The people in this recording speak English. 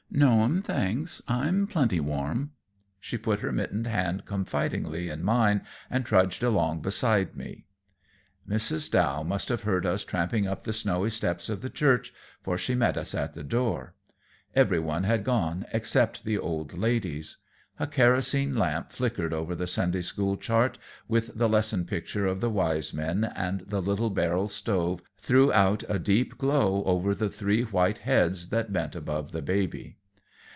"No, 'm, thanks. I'm plenty warm." She put her mittened hand confidingly in mine and trudged along beside me. Mrs. Dow must have heard us tramping up the snowy steps of the church, for she met us at the door. Every one had gone except the old ladies. A kerosene lamp flickered over the Sunday school chart, with the lesson picture of the Wise Men, and the little barrel stove threw out a deep glow over the three white heads that bent above the baby.